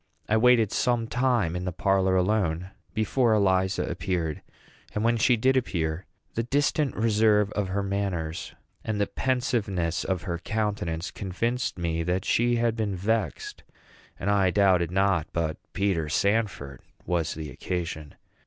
I waited some time in the parlor alone before Eliza appeared; and when she did appear, the distant reserve of her manners and the pensiveness of her countenance convinced me that she had been vexed, and I doubted not but Peter Sanford was the occasion.